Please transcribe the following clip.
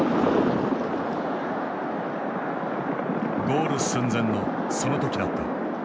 ゴール寸前のその時だった。